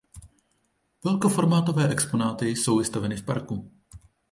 Velkoformátové exponáty jsou vystaveny v parku.